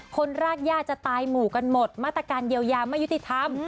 รากย่าจะตายหมู่กันหมดมาตรการเยียวยาไม่ยุติธรรม